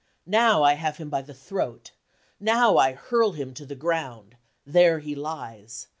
* Now I have him by the throat . L ■# Now I hurl him to the ground . I There he lies